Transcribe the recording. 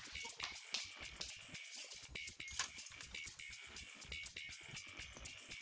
ternyata tidak semua orang mongsoh ibu ya